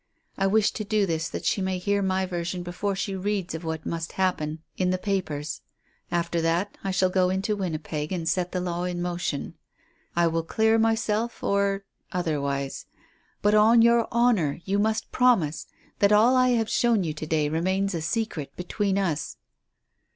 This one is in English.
I wish to do this that she may hear my version before she reads of what must happen in the papers. After that I shall go into Winnipeg and set the law in motion. I will clear myself or otherwise. But on your honour you must promise that all I have shown you to day remains a secret between us."